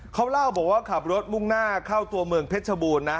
เขาเล่าบอกว่าขับรถมุ่งหน้าเข้าตัวเมืองเพชรบูรณนะ